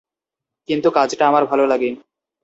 কিন্তু কাজটা আমার ভালো লাগে।